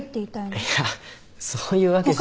いやそういうわけじゃ。